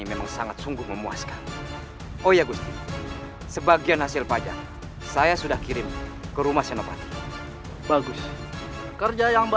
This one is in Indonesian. ini tidak bisa dibiarkan